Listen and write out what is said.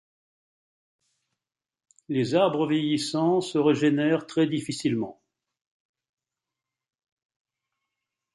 Les arbres vieillissants se régénèrent très difficilement.